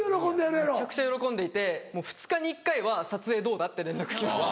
めちゃくちゃ喜んでいて２日に１回は「撮影どうだ？」って連絡来ます。